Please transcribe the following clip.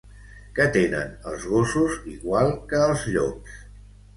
Què tenen els gossos igual que els llops?